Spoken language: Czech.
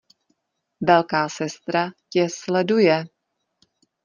Velká Sestra tě sleduje!